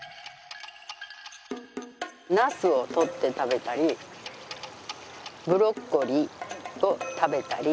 ナスをとって食べたりブロッコリーを食べたり。